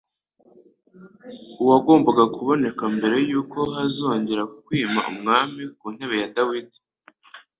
uwagombaga kuboneka mbere y'uko hazongera kwima umwami ku ntebe ya Dawidi.